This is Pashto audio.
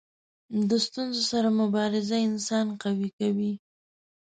د ستونزو سره مبارزه انسان قوي کوي.